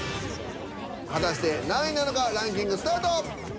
果たして何位なのかランキングスタート！